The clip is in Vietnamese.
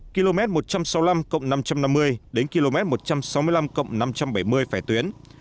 km một trăm sáu mươi năm năm trăm năm mươi đến km một trăm sáu mươi năm năm trăm bảy mươi phải tuyến